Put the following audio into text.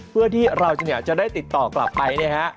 เพื่อที่เราจะได้ติดต่อกลับไปนะฮะ